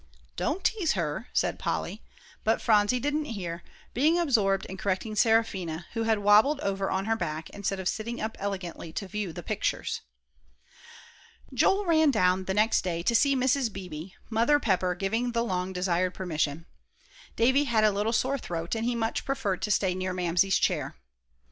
"Don't tease her," said Polly; but Phronsie didn't hear, being absorbed in correcting Seraphina, who had wobbled over on her back instead of sitting up elegantly to view the pictures. Joel ran down the next day to see Mrs. Beebe, Mother Pepper giving the long desired permission. Davie had a little sore throat, and he much preferred to stay near Mamsie's chair.